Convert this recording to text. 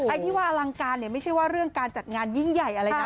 ไอ้ที่ว่าอลังการเนี่ยไม่ใช่ว่าเรื่องการจัดงานยิ่งใหญ่อะไรนะ